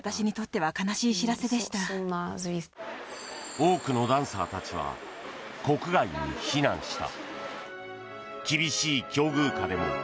多くのダンサーたちは国外に避難した。